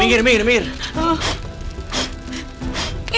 minggir minggir minggir